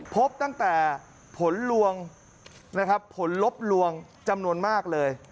พบตั้งแต่ผลลวงนะครับผลลบลวงจำนวนมากเลย